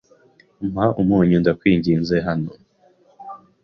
"Mpa umunyu, ndakwinginze." "Hano."